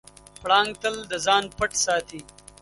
پړانګ تل د ځان پټ ساتي.